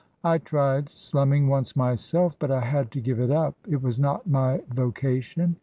"I tried slumming once myself, but I had to give it up; it was not my vocation.